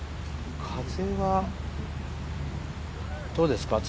風はどうですか？